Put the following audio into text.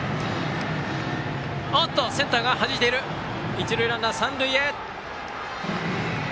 一塁ランナー、三塁へ。